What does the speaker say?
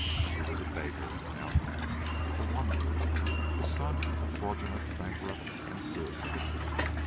He was a beggar, an outcast, a wanderer, the son of a fraudulent bankrupt and suicide.